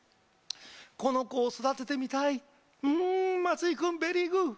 この子を育ててみたい、うん、松井君、ベリーグッ！